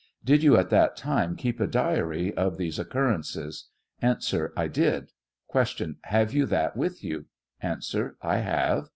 Did ypu at that time keep a diary of these occur rences ? A. I did. Q. Have you that with you ? A. I have.